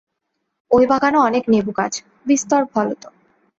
ঐ বাগানে অনেক নেবুগাছ, বিস্তর ফলত।